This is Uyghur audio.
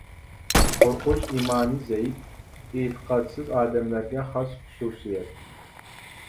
قورقۇش-ئىمانى زەئىپ، ئېتىقادسىز ئادەملەرگە خاس خۇسۇسىيەت.